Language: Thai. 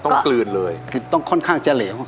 กลืนเลยคือต้องค่อนข้างจะเหลว